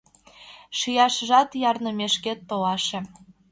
Шияшыжат ярнымешкет толаше.